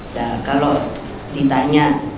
nah kalau ditanya